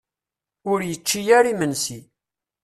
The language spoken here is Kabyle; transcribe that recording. Ur yečči ara imensi.